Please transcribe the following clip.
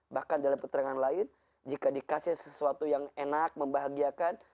bahkan dalam keterangan lain jika dikasih sesuatu yang enak membahagiakan